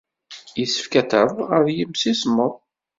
Yessefk ad t-rreɣ ɣer yimsismeḍ?